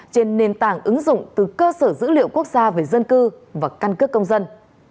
trên nền tảng ứng dụng từ cơ sở dữ liệu quốc gia về dân cư và căn cước công dân